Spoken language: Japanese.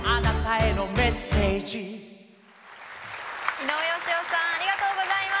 井上芳雄さんありがとうございます！